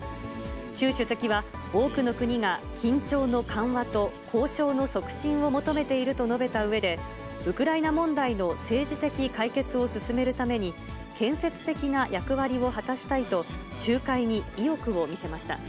習主席は、多くの国が緊張の緩和と交渉の促進を求めていると述べたうえで、ウクライナ問題の政治的解決を進めるために、建設的な役割を果たしたいと、仲介に意欲を見せました。